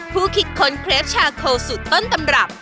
ผู้คิดค้นเคลฟชาโคสุดต้นตำรับ